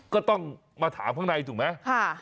ก็ต้องมาถามข้างในถูกไหมมาถามว่า